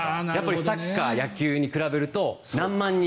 サッカー、野球に比べると何万人。